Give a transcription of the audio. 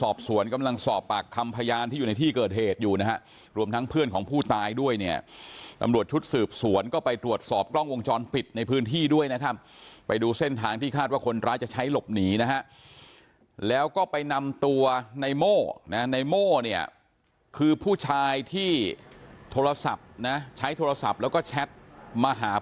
กำลังสอบปากคำพยานที่อยู่ในที่เกิดเหตุอยู่นะฮะรวมทั้งเพื่อนของผู้ตายด้วยเนี่ยตำรวจชุดสืบสวนก็ไปตรวจสอบกล้องวงจรปิดในพื้นที่ด้วยนะครับไปดูเส้นทางที่คาดว่าคนร้ายจะใช้หลบหนีนะฮะแล้วก็ไปนำตัวในโม่นะในโม่เนี่ยคือผู้ชายที่โทรศัพท์นะใช้โทรศัพท์แล้วก็แชทมาหา